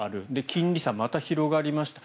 金利差、また広がりました。